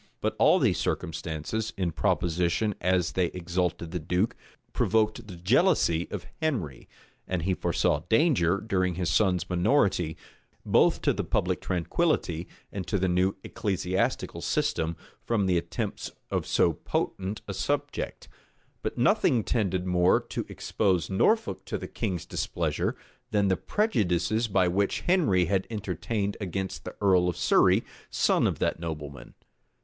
But all these circumstances, in proportion as they exalted the duke, provoked the jealousy of Henry; and he foresaw danger, during his son's minority, both to the public tranquillity, and to the new ecclesiastical system, from the attempts of so potent a subject. But nothing tended more to expose Norfolk to the king's displeasure, than the prejudices which Henry had entertained against the earl of Surrey, son of that nobleman.